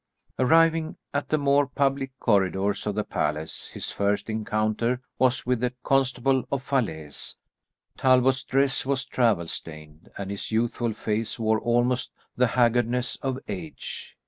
Arriving at the more public corridors of the palace, his first encounter was with the Constable of Falaise. Talbot's dress was travel stained, and his youthful face wore almost the haggardness of age.